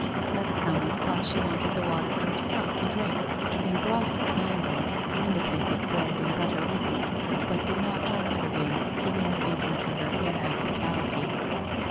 That someone thought she wanted the water for herself to drink and brought it kindly and a piece of bread and butter with it, but did not ask her in, giving the reason for her inhospitality.